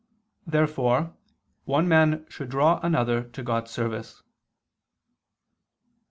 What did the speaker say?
Therefore one man should draw another to God's service.